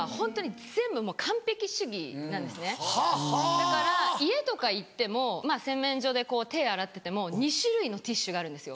だから家とか行っても洗面所で手洗ってても２種類のティッシュがあるんですよ。